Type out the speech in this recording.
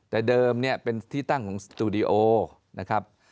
แต่เดิมเนี่ยเป็นที่ตั้งของสตูดิโอนะครับ